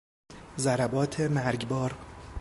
ضربات مرگبار